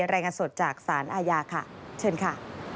รายงานสดจากสารอาญาค่ะเชิญค่ะ